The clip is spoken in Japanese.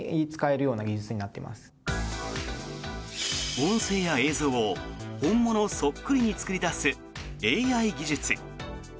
音声や映像を本物そっくりに作り出すＡＩ技術。